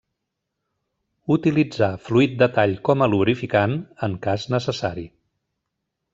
Utilitzar fluid de tall com a lubrificant, en cas necessari.